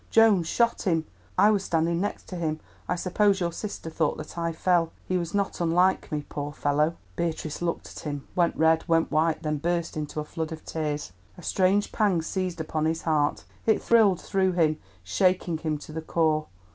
Jones shot him. I was standing next him. I suppose your sister thought that I fell. He was not unlike me, poor fellow." Beatrice looked at him, went red, went white, then burst into a flood of tears. A strange pang seized upon his heart. It thrilled through him, shaking him to the core.